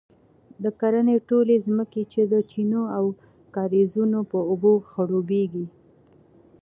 د کرنې ټولې ځمکې یې د چینو او کاریزونو په اوبو خړوبیږي،